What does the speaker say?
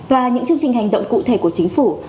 và những chương trình hành động cụ thể của chính phủ